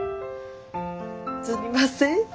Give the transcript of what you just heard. すみません。